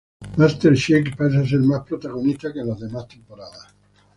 Master Shake pasa a ser más protagonista que en las demás temporadas.